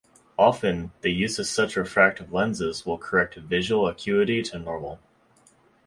Often, the use of such refractive lenses will correct visual acuity to normal.